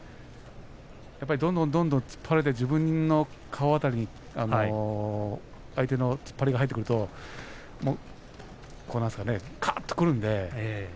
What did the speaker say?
どんどんどんどん突っ張られて自分の顔の辺りに相手の突っ張りが入ってくるとかっとくるんですね。